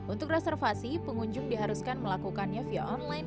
untuk reservasi pengunjung diharuskan melakukannya via online